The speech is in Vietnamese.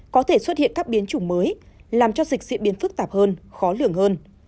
có thể xuất hiện các biến chủng mới làm cho dịch diễn biến phức tạp hơn khó lường hơn